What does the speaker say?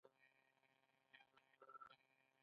دغسې د قدرمند منشي نيکۀ توکل خان